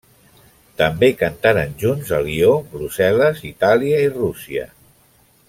També cantaren junts a Lió, Brussel·les, Itàlia i Rússia.